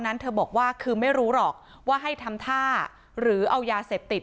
นั้นเธอบอกว่าคือไม่รู้หรอกว่าให้ทำท่าหรือเอายาเสพติด